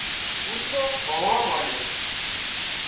ڪوترو ڀانهوا مانڏيو